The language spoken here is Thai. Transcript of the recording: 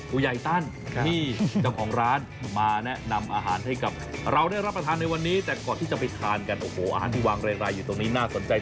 ผู้ใหญ่ตั้นที่เจ้าของร้านมาแนะนำอาหารให้กับเราได้รับประทานในวันนี้แต่ก่อนที่จะไปทานกันโอ้โหอาหารที่วางเรรายอยู่ตรงนี้น่าสนใจ